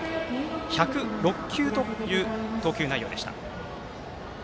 １０６球という投球内容でした。